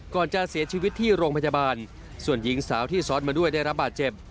ก่อนจะเสียชีวิตที่โรงพยาบาลส่วนหญิงสาวที่ซ้อนมาด้วยได้รับบาดเจ็บ